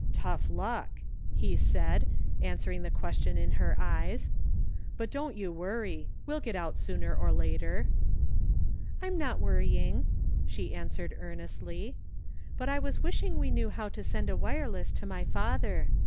" Tough luck," he said, answering the question in her eyes, " but don't you worry, we'll get out sooner or later/' " I'm not worrying," she answered earnestly, " but I was wishing we knew how to send a wireless to my father.